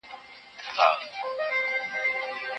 په کورني کرکټ کې باید لا ډېر شفافیت او نظم رامنځته شي.